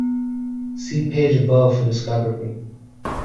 See page above for Discography.